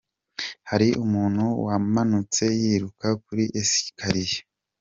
Hari umuntu wamanutse yiruka kuri esikariye.